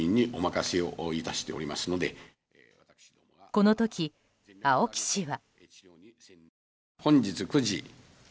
この時、青木氏は。